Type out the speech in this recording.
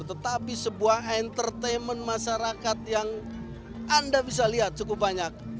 tetapi sebuah entertainment masyarakat yang anda bisa lihat cukup banyak